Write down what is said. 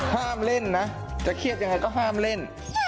ห้ามเล่นนะจะเครียดยังไงก็ห้ามเล่น